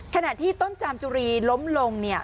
ขณะที่ต้นจามจุรีล้มลง